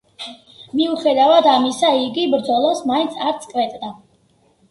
მიუხედავად ამისა, იგი ბრძოლას მაინც არ წყვეტდა.